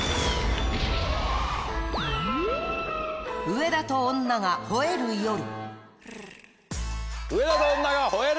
『上田と女が吠える夜』！